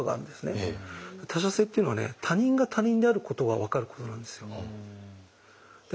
「他者性」っていうのは他人が他人であることが分かることなんですよ。